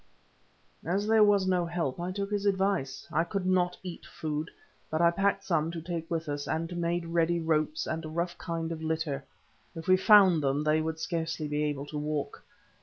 As there was no help, I took his advice. I could eat no food, but I packed some up to take with us, and made ready ropes, and a rough kind of litter. If we found them they would scarcely be able to walk.